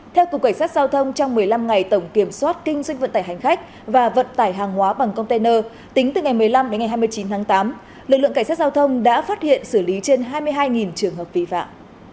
theo cục cảnh sát giao thông trong một mươi năm ngày tổng kiểm soát kinh doanh vận tải hành khách và vận tải hàng hóa bằng container tính từ ngày một mươi năm đến ngày hai mươi chín tháng tám lực lượng cảnh sát giao thông đã phát hiện xử lý trên hai mươi hai trường hợp vi phạm